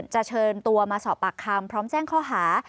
เชิญตัวมาสอบปากคำพร้อมแจ้งข้อหา